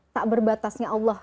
tak berbatasnya allah